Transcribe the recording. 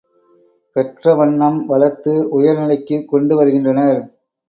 பெற்ற வண்ணம் வளர்த்து, உயர் நிலைக்குக் கொண்டு வருகின்றனர்.